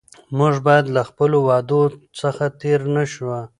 موږ باید له خپلو وعدو څخه تېر نه شو.